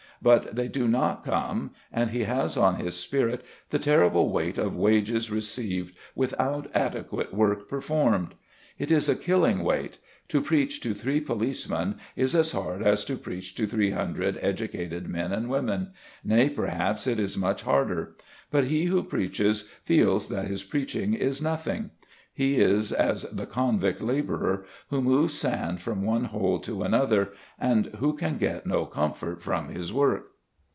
But they do not come; and he has on his spirit the terrible weight of wages received without adequate work performed. It is a killing weight. To preach to three policemen is as hard as to preach to three hundred educated men and women, nay, perhaps it is much harder; but he who so preaches feels that his preaching is nothing. He is as the convict labourer who moves sand from one hole to another; and who can get no comfort from his work.